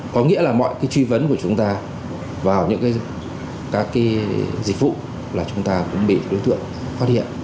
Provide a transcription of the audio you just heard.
có nghĩa là mọi cái truy vấn của chúng ta vào những các cái dịch vụ là chúng ta cũng bị đối tượng phát hiện